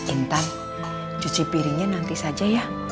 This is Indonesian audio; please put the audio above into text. intan cuci piringnya nanti saja ya